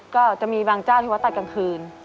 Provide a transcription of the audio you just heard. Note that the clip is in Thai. ก็จะมีบางเจ้าที่วัดตัดกลางคืน